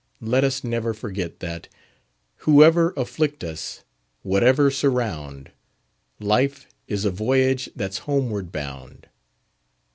let us never forget, that, Whoever afflict us, whatever surround, Life is a voyage that's homeward bound!